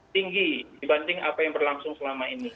tinggi dibanding apa yang berlangsung selama ini